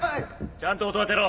ちゃんと音あてろ。